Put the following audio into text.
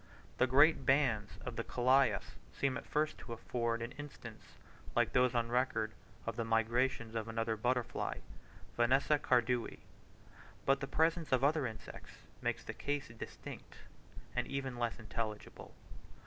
The great bands of the Colias seem at first to afford an instance like those on record of the migrations of another butterfly, Vanessa cardui; but the presence of other insects makes the case distinct, and even less intelligible.